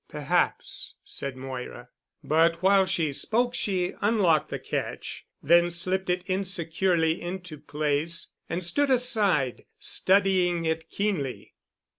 "Perhaps," said Moira. But while she spoke she unlocked the catch, then slipped it insecurely into place and stood aside, studying it keenly.